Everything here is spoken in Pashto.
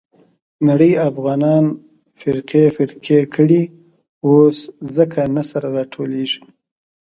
نړۍ افغانان فرقې فرقې کړي. اوس ځکه نه سره راټولېږي.